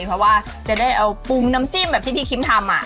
เพราะว่าจะได้เอาปรุงน้ำจิ้มแบบที่พี่คิมทำ